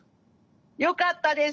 よかったです